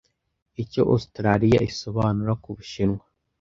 Icyo Australiya isobanura ku bushinwa